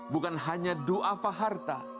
bukan hanya du'afa harta